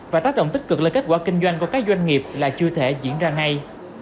và tác động tích cực lên kết quả kinh doanh của các doanh nghiệp là chưa thể diễn ra ngay